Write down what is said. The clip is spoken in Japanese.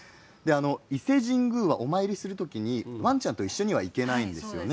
伊勢神宮は、お参りする時にワンちゃんと一緒には行けないんですよね。